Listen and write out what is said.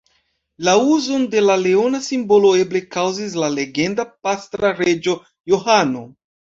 La uzon de la leona simbolo eble kaŭzis la legenda pastra reĝo Johano.